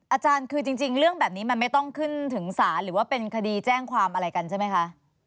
อาจารย์คือจริงเรื่องแบบนี้มันไม่ต้องขึ้นถึงศาลหรือว่าเป็นคดีแจ้งความอะไรกันใช่ไหมคะ